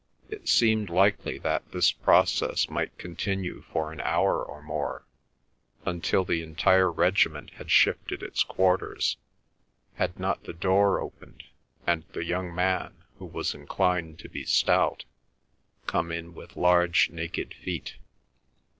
It seemed likely that this process might continue for an hour or more, until the entire regiment had shifted its quarters, had not the door opened, and the young man, who was inclined to be stout, come in with large naked feet.